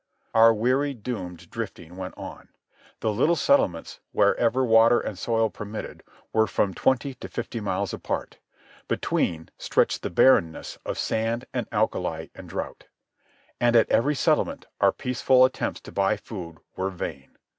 Our weary, doomed drifting went on. The little settlements, wherever water and soil permitted, were from twenty to fifty miles apart. Between stretched the barrenness of sand and alkali and drought. And at every settlement our peaceful attempts to buy food were vain.